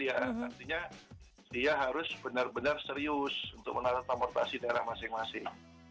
artinya dia harus benar benar serius untuk menanam transportasi daerah masing masing